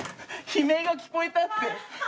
悲鳴が聞こえたって。